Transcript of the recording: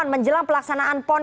menjelang pelaksanaan pon